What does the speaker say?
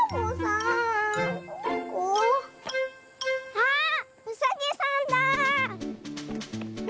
あっうさぎさんだあ！